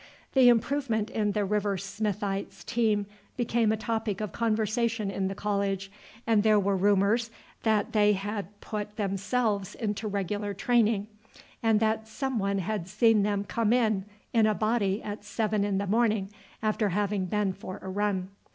The improvement in the River Smithites' team became a topic of conversation in the college, and there were rumours that they had put themselves into regular training, and that some one had seen them come in in a body at seven in the morning after having been for a run.